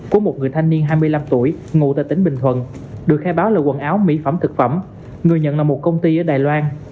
của một người thanh niên hai mươi năm tuổi ngụ tại tỉnh bình thuận được khai báo là quần áo mỹ phẩm thực phẩm người nhận là một công ty ở đài loan